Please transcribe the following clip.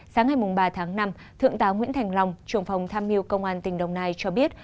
sáng ngày ba tháng năm thượng tá nguyễn thành long trưởng phòng tham mưu công an tỉnh đồng nai cho biết